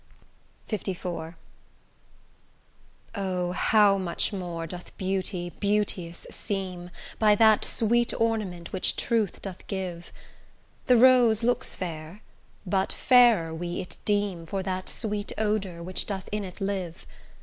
LIV O! how much more doth beauty beauteous seem By that sweet ornament which truth doth give. The rose looks fair, but fairer we it deem For that sweet odour, which doth in it live.